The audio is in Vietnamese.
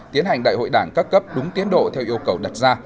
tiến hành đại hội đảng các cấp đúng tiến độ theo yêu cầu đặt ra